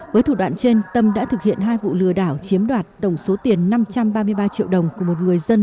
với thủ đoạn trên tâm đã thực hiện hai vụ lừa đảo chiếm đoạt tổng số tiền năm trăm ba mươi ba triệu đồng của một người dân